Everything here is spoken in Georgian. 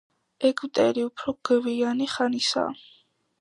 ეგვტერი უფრო გვიანი ხანისაა.